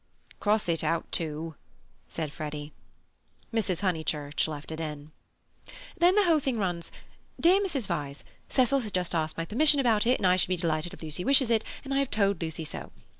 "Cross it out, too," said Freddy. Mrs. Honeychurch left it in. "Then the whole thing runs: 'Dear Mrs. Vyse.—Cecil has just asked my permission about it, and I should be delighted if Lucy wishes it, and I have told Lucy so.